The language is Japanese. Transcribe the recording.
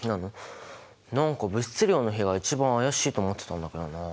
何か物質量の比が一番怪しいと思ってたんだけどなあ。